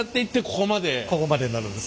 ここまでなるんです。